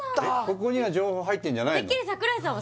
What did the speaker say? ここには情報入ってんじゃないの？